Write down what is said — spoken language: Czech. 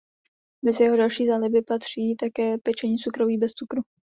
Mezi jeho další záliby patří také pečení cukroví bez cukru.